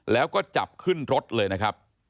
แล้วก็จับขึ้นรถเลยนะครับ